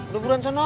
lo buruan sono